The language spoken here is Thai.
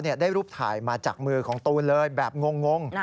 ได้รูปถ่ายมาจากมือของตูนเลยแบบงง